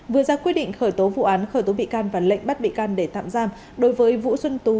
vừa ra quyết định khởi tố vụ án khởi tố bị can và lệnh bắt bị can để tạm giam đối với vũ xuân tú